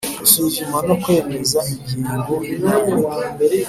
Gusuzuma no kwemeza ingengo y imari